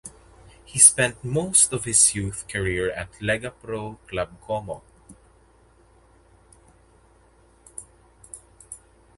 He spent most of his youth career at Lega Pro club Como.